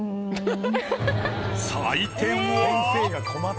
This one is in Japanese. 採点は。